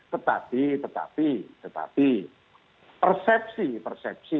tetapi tetapi tetapi persepsi persepsi